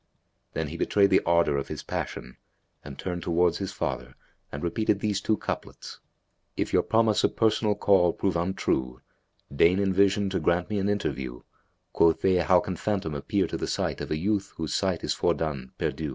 Then he betrayed the ardour of his passion; and turned towards his father and repeated these two couplets, "If your promise of personal call prove untrue, * Deign in vision to grant me an interview: Quoth they, 'How can phantom[FN#277] appear to the sight * Of a youth, whose sight is fordone, perdue?'"